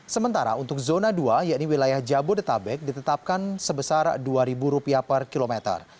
sementara untuk zona dua yaitu wilayah jabodetabek ditetapkan sebesar rp dua per kilometer